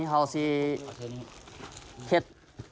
เห็ด